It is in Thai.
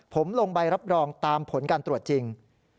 ผมลงใบรับรองตามผลการตรวจจริง